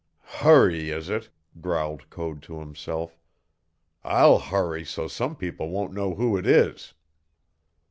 "Hurry, is it?" growled Code to himself. "I'll hurry so some people won't know who it is."